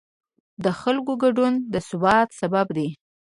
د خلکو ګډون د ثبات سبب دی